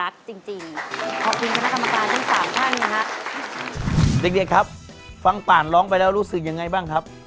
เด็กครับฟังป่านร้องไปแล้วรู้สึกยังไงบ้างครับ